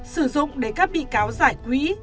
sử dụng để các bị cáo giải quỹ